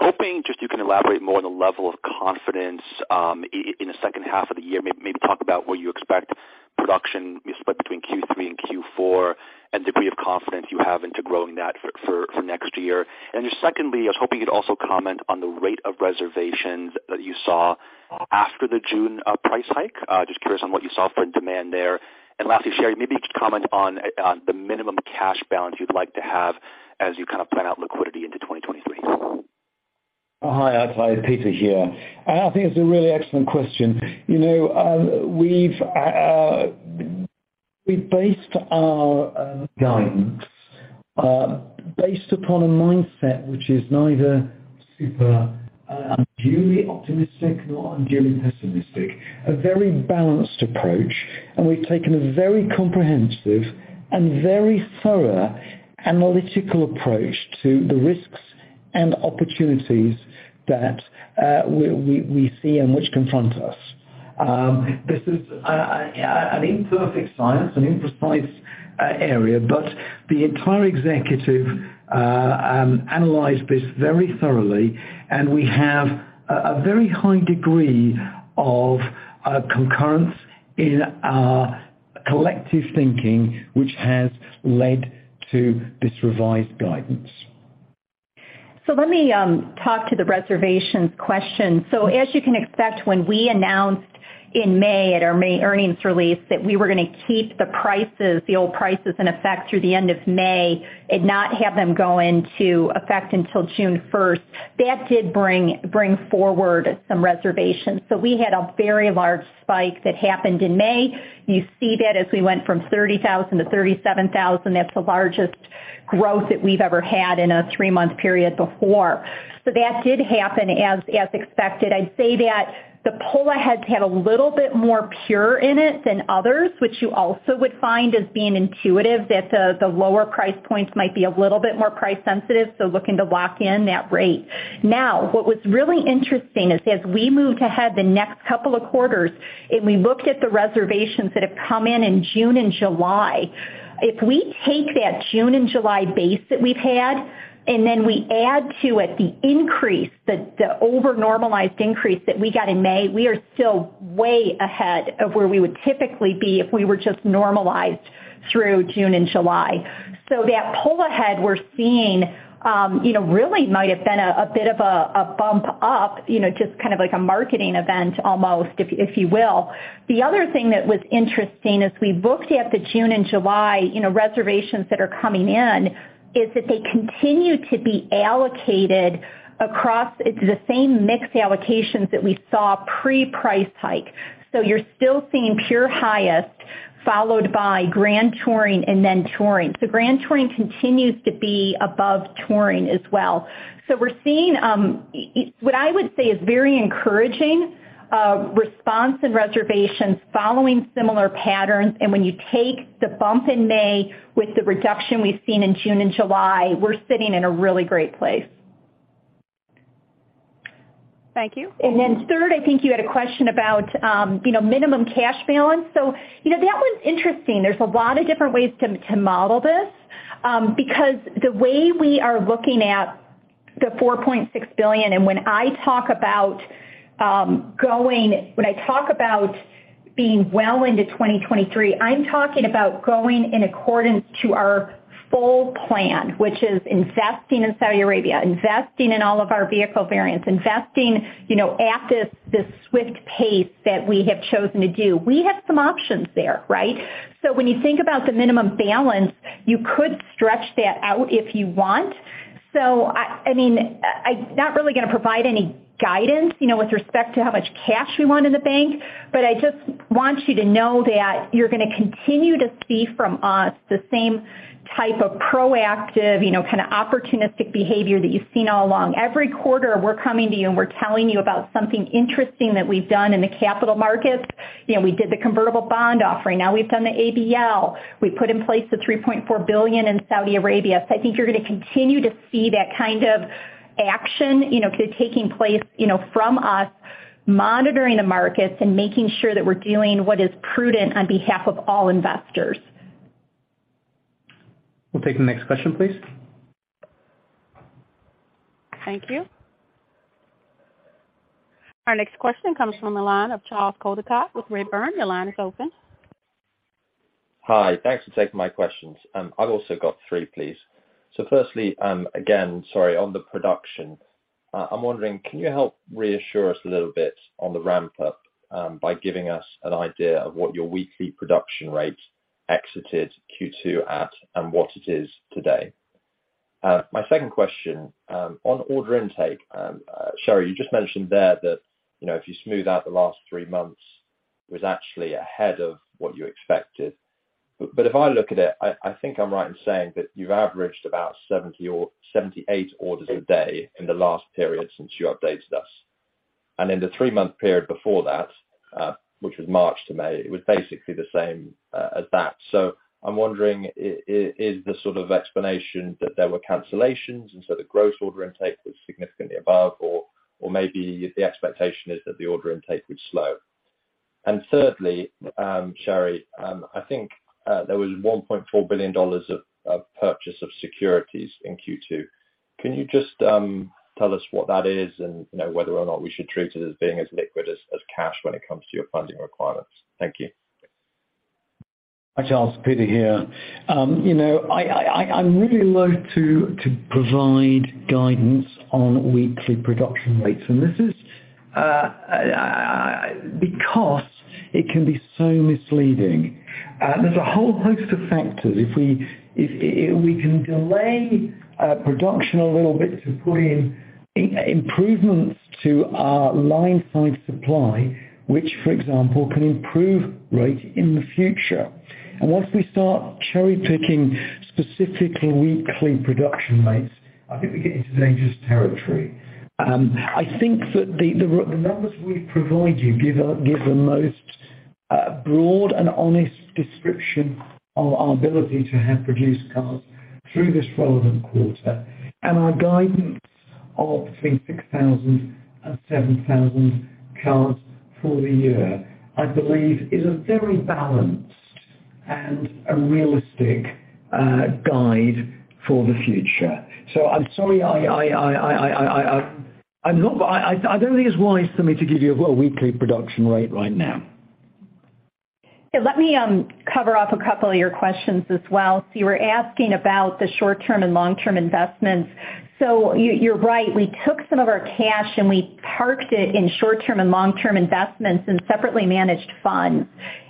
Hoping just you can elaborate more on the level of confidence in the second half of the year. Maybe talk about where you expect production split between Q3 and Q4 and degree of confidence you have into growing that for next year. Just secondly, I was hoping you'd also comment on the rate of reservations that you saw after the June price hike. Just curious on what you saw for demand there. Lastly, Sherry, maybe you could comment on the minimum cash balance you'd like to have as you kind of plan out liquidity into 2023. Hi, Itay, Peter here. I think it's a really excellent question. You know, we've based our guidance based upon a mindset which is neither super unduly optimistic nor unduly pessimistic, a very balanced approach, and we've taken a very comprehensive and very thorough analytical approach to the risks and opportunities that we see and which confront us. This is an imperfect science, an imprecise area, but the entire executive analyzed this very thoroughly, and we have a very high degree of concurrence in our collective thinking, which has led to this revised guidance. Let me talk to the reservations question. As you can expect, when we announced in May at our May earnings release that we were gonna keep the prices, the old prices in effect through the end of May and not have them go into effect until June first, that did bring forward some reservations. We had a very large spike that happened in May. You see that as we went from 30,000 to 37,000. That's the largest growth that we've ever had in a three-month period before. That did happen as expected. I'd say that the pull-ahead had a little bit more pure in it than others, which you also would find as being intuitive, that the lower price points might be a little bit more price sensitive, so looking to lock in that rate. Now, what was really interesting is as we moved ahead the next couple of quarters, and we looked at the reservations that have come in in June and July, if we take that June and July base that we've had, and then we add to it the increase, the over-normalized increase that we got in May, we are still way ahead of where we would typically be if we were just normalized through June and July. That pull ahead we're seeing, you know, really might have been a bit of a bump up, you know, just kind of like a marketing event almost if you will. The other thing that was interesting as we looked at the June and July, you know, reservations that are coming in is that they continue to be allocated across the same mixed allocations that we saw pre-price hike. You're still seeing Pure highest, followed by Grand Touring and then Touring. Grand Touring continues to be above Touring as well. We're seeing what I would say is very encouraging response and reservations following similar patterns. When you take the bump in May with the reduction we've seen in June and July, we're sitting in a really great place. Thank you. Then third, I think you had a question about, you know, minimum cash balance. You know, that one's interesting. There's a lot of different ways to model this, because the way we are looking at the $4.6 billion, and when I talk about being well into 2023, I'm talking about going in accordance to our full plan, which is investing in Saudi Arabia, investing in all of our vehicle variants, investing, you know, at this swift pace that we have chosen to do. We have some options there, right? When you think about the minimum balance, you could stretch that out if you want. I mean, I'm not really gonna provide any guidance, you know, with respect to how much cash we want in the bank, but I just want you to know that you're gonna continue to see from us the same type of proactive, you know, kinda opportunistic behavior that you've seen all along. Every quarter, we're coming to you, and we're telling you about something interesting that we've done in the capital markets. You know, we did the convertible bond offering. Now we've done the ABL. We put in place the $3.4 billion in Saudi Arabia. I think you're gonna continue to see that kind of action, you know, taking place, you know, from us, monitoring the markets and making sure that we're doing what is prudent on behalf of all investors. We'll take the next question, please. Thank you. Our next question comes from the line of Charles Coldicott with Redburn. Your line is open. Hi. Thanks for taking my questions. I've also got three, please. Firstly, again, sorry, on the production, I'm wondering, can you help reassure us a little bit on the ramp up, by giving us an idea of what your weekly production rate exited Q2 at and what it is today? My second question, on order intake, Sherry, you just mentioned there that, you know, if you smooth out the last three months, it was actually ahead of what you expected. But if I look at it, I think I'm right in saying that you've averaged about 70 or 78 orders a day in the last period since you updated us. In the three-month period before that, which was March to May, it was basically the same, as that. I'm wondering, is the sort of explanation that there were cancellations, and so the gross order intake was significantly above or maybe the expectation is that the order intake would slow. Thirdly, Sherry, I think there was $1.4 billion of purchase of securities in Q2. Can you just tell us what that is and, you know, whether or not we should treat it as being as liquid as cash when it comes to your funding requirements? Thank you. Hi, Charles. Peter here. I’m really loath to provide guidance on weekly production rates, and this is because it can be so misleading. There’s a whole host of factors. If we can delay production a little bit to put in improvements to our line-side supply, which for example, can improve rate in the future. Once we start cherry-picking specific weekly production rates, I think we get into dangerous territory. I think that the numbers we provide you give the most broad and honest description of our ability to have produced cars through this relevant quarter. Our guidance of between 6,000 and 7,000 cars for the year, I believe is a very balanced and realistic guide for the future. I'm sorry, I'm not. I don't think it's wise for me to give you a, well, weekly production rate right now. Yeah. Let me cover off a couple of your questions as well. You were asking about the short-term and long-term investments. You, you're right. We took some of our cash, and we parked it in short-term and long-term investments in separately managed funds.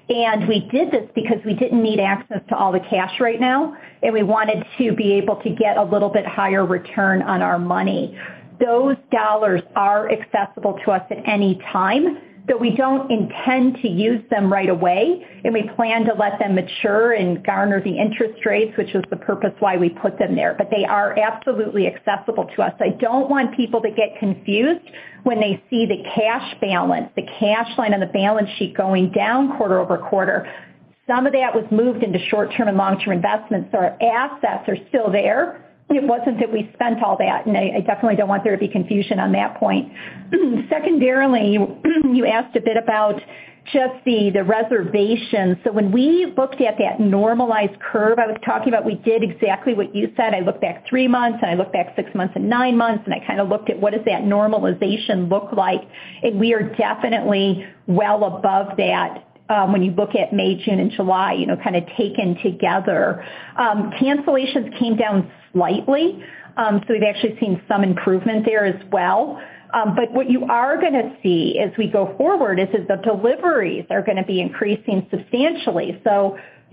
We did this because we didn't need access to all the cash right now, and we wanted to be able to get a little bit higher return on our money. Those dollars are accessible to us at any time, but we don't intend to use them right away, and we plan to let them mature and garner the interest rates, which was the purpose why we put them there. They are absolutely accessible to us. I don't want people to get confused when they see the cash balance, the cash line on the balance sheet going down quarter-over-quarter. Some of that was moved into short-term and long-term investments. Our assets are still there. It wasn't that we spent all that, and I definitely don't want there to be confusion on that point. Secondarily, you asked a bit about just the reservations. When we looked at that normalized curve I was talking about, we did exactly what you said. I looked back three months, and I looked back six months and nine months, and I kinda looked at what does that normalization look like? We are definitely well above that, when you look at May, June, and July, you know, kinda taken together. Cancellations came down slightly, so we've actually seen some improvement there as well. What you are gonna see as we go forward is that the deliveries are gonna be increasing substantially.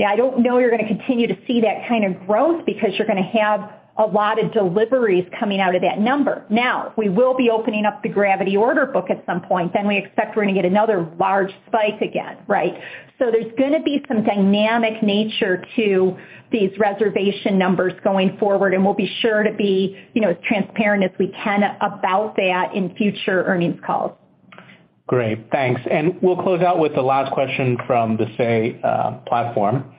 I don't know you're gonna continue to see that kind of growth because you're gonna have a lot of deliveries coming out of that number. Now, we will be opening up the Gravity order book at some point, then we expect we're gonna get another large spike again, right? There's gonna be some dynamic nature to these reservation numbers going forward, and we'll be sure to be, you know, as transparent as we can about that in future earnings calls. Great. Thanks. We'll close out with the last question from the Say platform,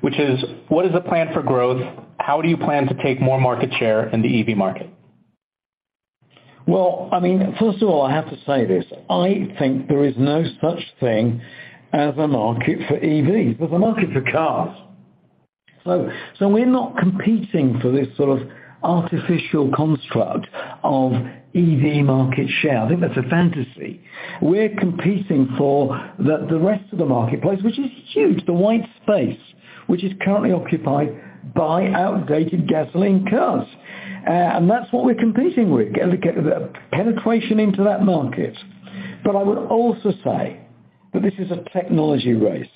which is, what is the plan for growth? How do you plan to take more market share in the EV market? Well, I mean, first of all, I have to say this, I think there is no such thing as a market for EVs. There's a market for cars. We're not competing for this sort of artificial construct of EV market share. I think that's a fantasy. We're competing for the rest of the marketplace, which is huge, the wide space, which is currently occupied by outdated gasoline cars. That's what we're competing with, the penetration into that market. I would also say that this is a technology race,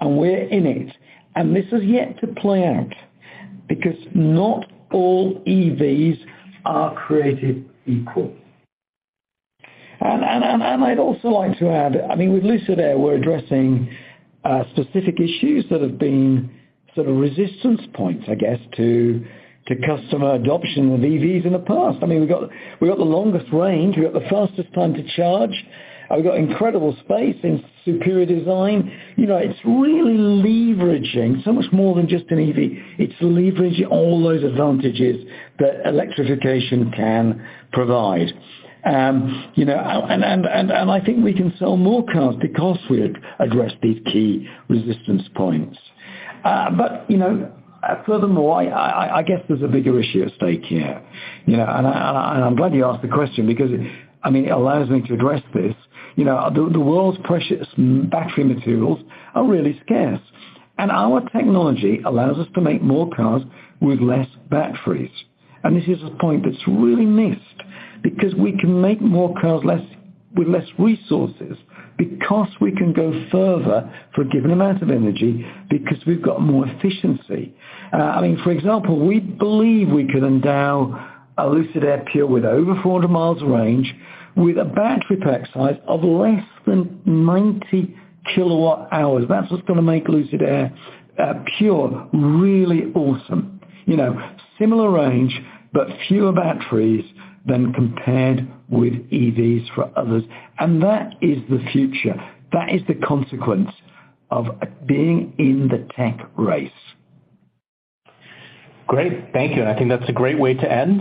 and we're in it, and this is yet to play out because not all EVs are created equal. I'd also like to add, I mean, with Lucid Air, we're addressing specific issues that have been sort of resistance points, I guess, to customer adoption of EVs in the past. I mean, we've got the longest range, we got the fastest time to charge, and we've got incredible space and superior design. You know, it's really leveraging so much more than just an EV. It's leveraging all those advantages that electrification can provide. You know, I think we can sell more cars because we address these key resistance points. You know, furthermore, I guess there's a bigger issue at stake here. You know, I'm glad you asked the question because, I mean, it allows me to address this. You know, the world's precious battery materials are really scarce, and our technology allows us to make more cars with less batteries. This is a point that's really missed because we can make more cars with less resources because we can go further for a given amount of energy because we've got more efficiency. I mean, for example, we believe we can endow a Lucid Air Pure with over 400 miles range with a battery pack size of less than 90 kWh. That's what's gonna make Lucid Air Pure really awesome. You know, similar range, but fewer batteries than compared with EVs for others. That is the future. That is the consequence of being in the tech race. Great. Thank you. I think that's a great way to end.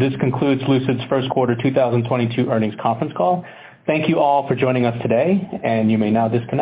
This concludes Lucid's second quarter 2022 earnings conference call. Thank you all for joining us today, and you may now disconnect.